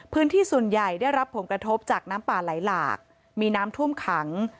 พื้นที่ส่วนใหญ่ได้รับผลกระทบจากน้ำป่าไหลหลากมีน้ำท่วมขัง